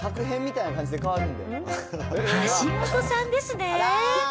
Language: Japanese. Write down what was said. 橋下さんですね。